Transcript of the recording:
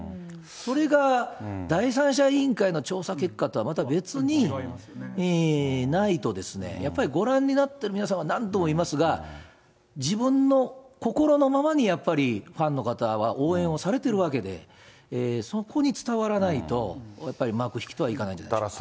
それが第三者委員会の調査結果とはまた別にないと、やっぱりご覧になっている皆さんは、何度も言いますが、自分の心のままにやっぱりファンの方は応援をされてるわけで、そこに伝わらないと、やっぱり幕引きとはいかないんじゃないでしょうか。